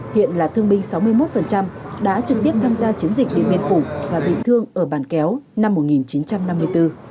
hiện là thương binh sáu mươi một đã trực tiếp tham gia chiến dịch điện biên phủ và bị thương ở bàn kéo năm một nghìn chín trăm năm mươi bốn